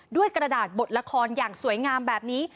กระดาษบทละครอย่างสวยงามแบบนี้